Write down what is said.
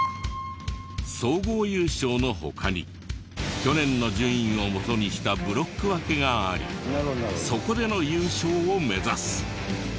総合優勝の他に去年の順位を元にしたブロック分けがありそこでの優勝を目指す。